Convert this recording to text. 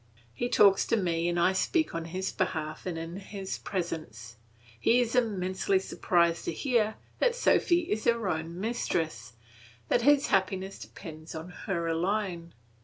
He talks to me and I speak on his behalf and in his presence. He is immensely surprised to hear that Sophy is her own mistress, that his happiness depends on her alone.